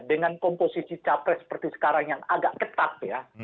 dengan komposisi capres seperti sekarang yang agak ketat ya